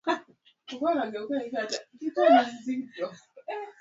Walikuungama.